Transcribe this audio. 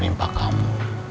tentang impak kamu